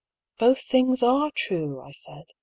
" Both things are true," I said.